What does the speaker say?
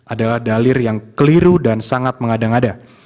adalah dalil yang keliru dan sangat mengada ngada